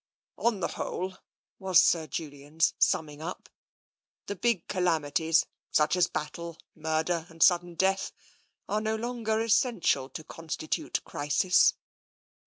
On the whole," was Sir Julian's stunming up, the big calamities, such as battle, murder, and sud den death, are no longer essential to constitute crisis.